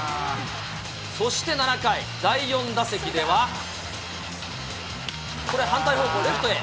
そして７回、第４打席では、これ、反対方向、レフトへ。